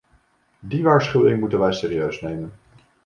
Die waarschuwing moeten wij serieus nemen.